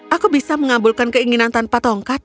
aku bisa mengabulkan keinginan tanpa tongkat